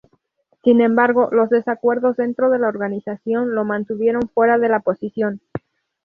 Sin embargo, los desacuerdos dentro de la organización lo mantuvieron fuera de la posición.